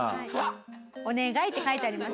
「お願い」って書いてあります。